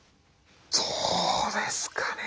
どうですかね